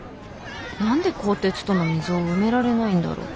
何で高鐵との溝を埋められないんだろう。